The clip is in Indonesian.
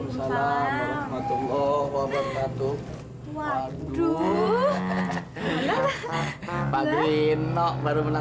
sampai jumpa di video selanjutnya